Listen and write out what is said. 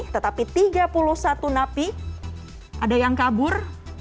tetapi tiga puluh satu napi ada yang kabur